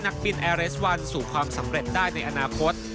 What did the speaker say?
ถ้าทีมเทคนิคบอกว่าไม่ฉันจะไป